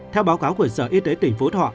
theo báo cáo của sở y tế tỉnh phú thọ